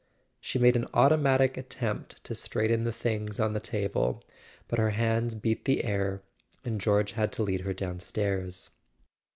She made an automatic attempt to straighten the things on the table, but her hands beat the air and George had to lead her downstairs.